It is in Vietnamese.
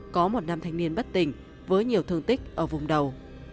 có một nam thanh niên bất tình với nhiều thương tích ở vùng đầu